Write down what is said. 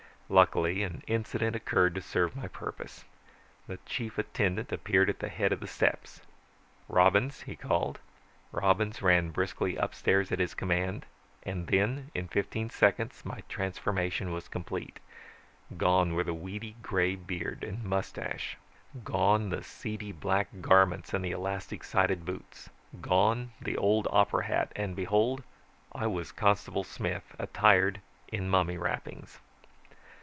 Luckily, an incident occurred to serve my purpose. The chief attendant appeared at the head of the steps. 'Robins!' he called. Robins ran briskly upstairs at his command, and then in fifteen seconds my transformation was complete. Gone were the weedy grey beard and moustache gone the seedy, black garments and the elastic sided boots gone the old opera hat and, behold, I was Constable Smith, attired in mummy wrappings!